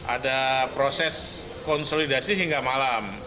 ada proses konsolidasi hingga malam